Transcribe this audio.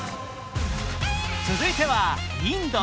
続いてはインド。